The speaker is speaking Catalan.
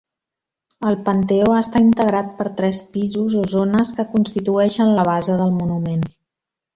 El panteó està integrat per tres pisos o zones que constitueixen la base del monument.